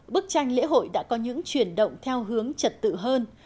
bức tranh lễ hội đã có những chuyển động theo hướng trật tự hơn